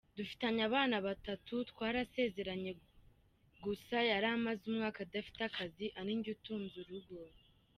Dufitanye abana batatu, twarasezeranye, gusa yari amaze umwaka adafite akazi ari njye utunze urugo.